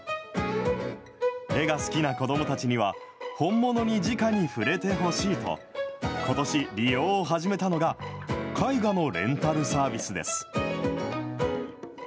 絵が好きな子どもたちには、本物にじかに触れてほしいと、ことし、利用を始めたのが、絵画のレンタルサービスです。